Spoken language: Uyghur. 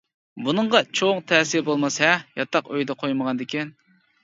بۇنىڭغۇ چوڭ تەسىرى بولماس-ھە ياتاق ئۆيدە قويمىغاندىكىن؟ .